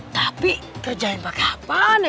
tapi kerjain pada seperti apa nek